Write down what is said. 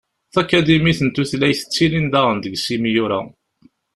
Takadimit n tutlayt ttilin daɣen deg-s imyura.